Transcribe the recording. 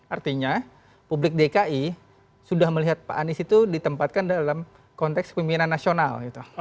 artinya publik dki sudah melihat pak anies itu ditempatkan dalam konteks pimpinan nasional